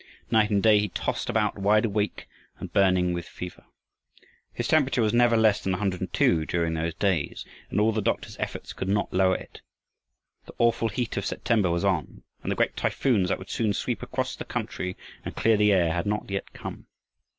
Night and day he tossed about, wide awake and burning with fever. His temperature was never less than 102 during those days, and all the doctor's efforts could not lower it. The awful heat of September was on, and the great typhoons that would soon sweep across the country and clear the air had not yet come.